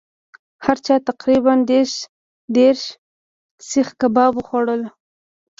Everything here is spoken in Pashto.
هر چا تقریبأ دېرش دېرش سیخه کباب وخوړلو.